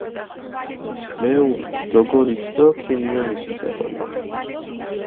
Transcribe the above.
მეურთ, დოგორით დო ქიმიონით ასე ხოლო.